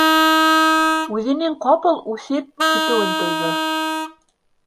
Үҙенең ҡапыл үҫеп ките-үен тойҙо.